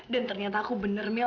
dan ternyata aku bener mil